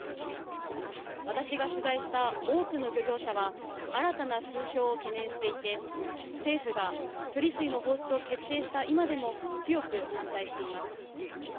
私が取材した多くの漁業者は新たな風評を懸念していて政府が処理水の放出を決定した今でも強く反対しています。